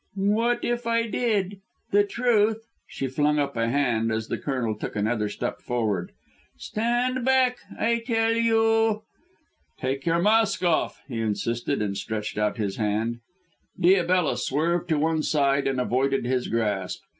"What if I did? The truth " she flung up a hand as the Colonel took another step forward. "Stand back, I tell you." "Take your mask off," he insisted, and stretched out his hand. Diabella swerved to one side and avoided his grasp.